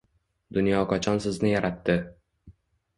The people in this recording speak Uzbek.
Dunyo qachon sizni yaratdi.